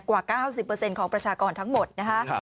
กว่า๙๐ของประชากรทั้งหมดนะคะ